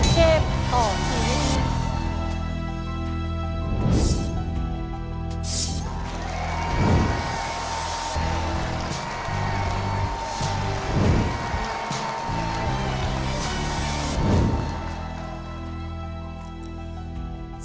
เกมต่อชีวิต